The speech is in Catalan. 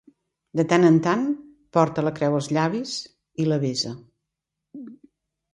De tant en tant, porta la creu als llavis i la besa.